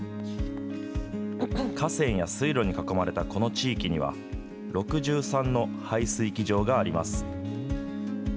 河川や水路に囲まれたこの地域には、６３の排水機場があります。